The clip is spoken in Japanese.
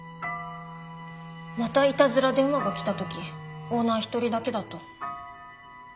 またイタズラ電話が来た時オーナー一人だけだと。